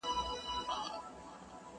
ته پاچا ځان مي وزیر جوړ کړ ته نه وې!